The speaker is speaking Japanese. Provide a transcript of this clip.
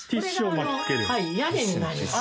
これが屋根になります。